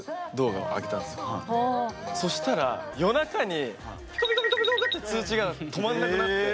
そしたらって通知が止まんなくなって。